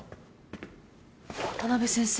渡辺先生。